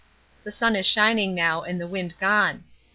The sun is shining now and the wind gone.